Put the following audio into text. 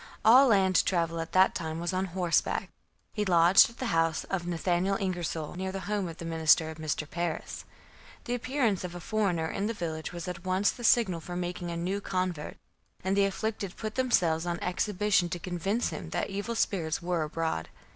All land travel at that time was on horseback. He lodged at the house of Nathaniel Ingersol near the home of the minister Mr. Parris. The appearance of a foreigner in the village was at once the signal for making a new convert, and the afflicted put themselves on exhibition to convince him that evil spirits were abroad.